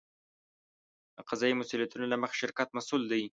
د قضایي مسوولیتونو له مخې شرکت مسوول دی.